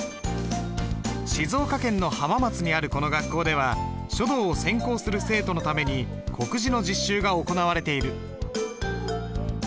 静岡県の浜松にあるこの学校では書道を専攻する生徒のために刻字の実習が行われている。